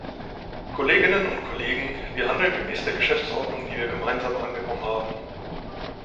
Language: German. Kolleginnen und Kollegen, wir handeln gemäß der Geschäftsordnung, die wir gemeinsam angenommen haben.